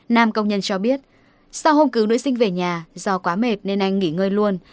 nam công nhân cho biết sau hông cứu nữ sinh về nhà do quá mệt nên anh nghỉ ngơi luôn